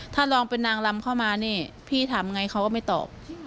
ถ้าลองเป็นนางลำเข้ามานี่พี่ถามไงเขาก็ไม่ตอบ